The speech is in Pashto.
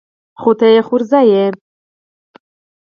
خو ته يې خورزه يې.